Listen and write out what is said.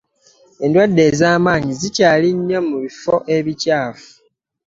Endwade ez'amanyi zikyali nnyo mu biffo ebikyafu.